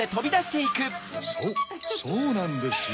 そうそうなんですよ。